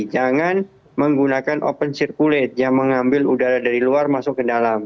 jangan menggunakan open circulate yang mengambil udara dari luar masuk ke dalam